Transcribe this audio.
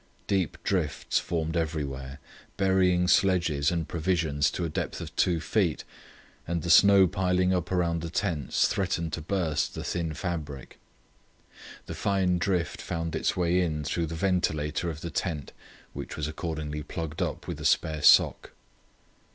Deep drifts formed everywhere, burying sledges and provisions to a depth of two feet, and the snow piling up round the tents threatened to burst the thin fabric. The fine drift found its way in through the ventilator of the tent, which was accordingly plugged up with a spare sock.